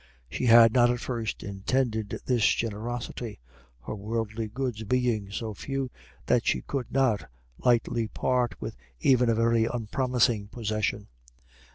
She had not at first intended this generosity, her worldly goods being so few that she could not lightly part with even a very unpromising possession.